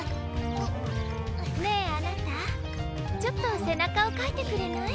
ねえあなたちょっとせなかをかいてくれない？